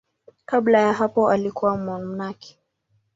Kabla ya hapo alikuwa mmonaki.